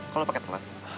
kok lo pake telat